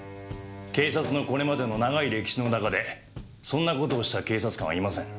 警察のこれまでの長い歴史の中でそんな事をした警察官はいません。